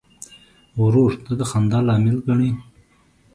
ورور ته د خندا لامل ګڼې.